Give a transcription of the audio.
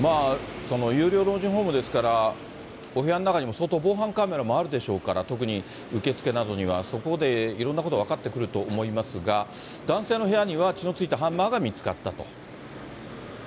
有料老人ホームですから、お部屋の中にも相当防犯カメラもあるでしょうから、特に受付などには、そこでいろんなこと分かってくると思いますが、男性の部屋には、血のついたハンマーが見つかったと。